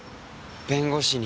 弁護士に。